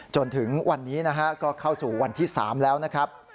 จนถึงวันนี้นะฮะก็เข้าสู่วันที่๓แล้วนะครับ